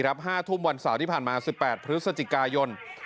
๕ทุ่มวันเสาร์ที่ผ่านมา๑๘พฤศจิกายน